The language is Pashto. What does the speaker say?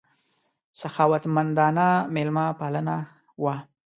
سخاوتمندانه مېلمه پالنه وه.